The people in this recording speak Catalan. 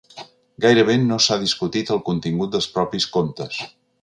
Gairebé no s’ha discutit el contingut dels propis comptes.